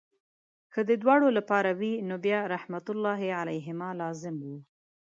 که د دواړو لپاره وي نو بیا رحمت الله علیهما لازم وو.